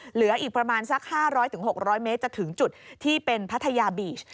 เหลืออีกประมาณสัก๕๐๐๖๐๐เมตรจะถึงจุดที่เป็นพัทยาบีช